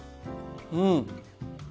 うん！